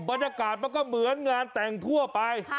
บรรยากาศมันก็เหมือนงานแต่งทั่วไป